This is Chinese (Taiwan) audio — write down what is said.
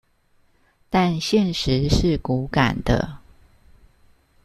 但現實是骨感的